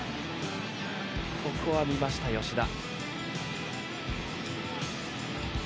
ここは見ました吉田。